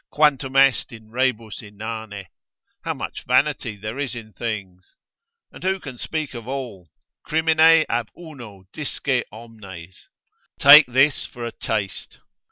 Quantum est in rebus inane? (How much vanity there is in things!) And who can speak of all? Crimine ab uno disce omnes, take this for a taste.